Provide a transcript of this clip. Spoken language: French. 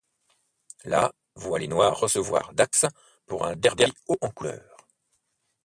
La voit les noirs recevoir Dax pour un derby haut en couleur.